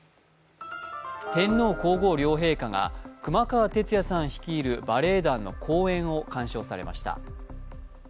天皇皇后両陛下が熊川哲也さん率いるバレエ団の公演を鑑賞されました。